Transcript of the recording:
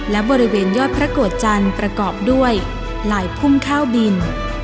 และบริเวณยอดพระโกรธจันทร์ประกอบด้วยลายพุ่มข้าวบิน